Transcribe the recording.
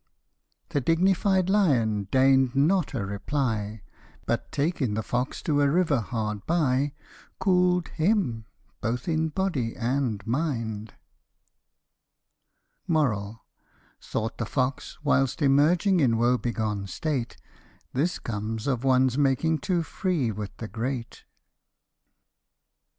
The dignified lion deign'd not a reply j But taking the fox to a river hard by, Cool'd him, both in body and mind. Thought the fox, whilst emerging in woe begone state, *' This comes of one's making too free with the great."